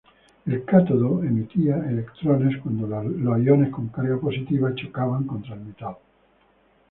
El cátodo emitía electrones cuando los iones con carga positiva chocaban contra el metal.